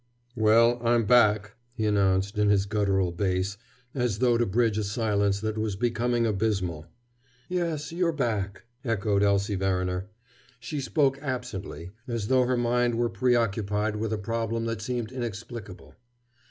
"Well, I'm back," he announced in his guttural bass, as though to bridge a silence that was becoming abysmal. "Yes, you're back!" echoed Elsie Verriner. She spoke absently, as though her mind were preoccupied with a problem that seemed inexplicable.